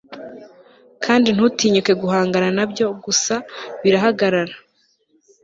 Kandi ntutinyuke guhangana nabyo gusa birahagarara